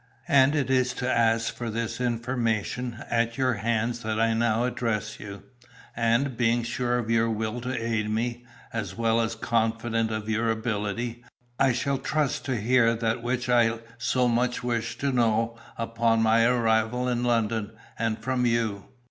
And it is to ask for this information at your hands that I now address you, and, being sure of your will to aid me, as well as confident of your ability, I shall trust to hear that which I so much wish to know, upon my arrival in London, and from you.